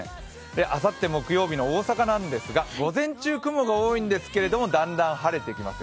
あさって木曜日の大阪なんですけど、午前中、雲が多いんですけどだんだん晴れてきますよ。